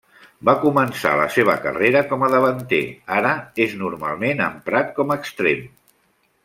Va començar la seva carrera com a davanter, ara és normalment emprat com extrem.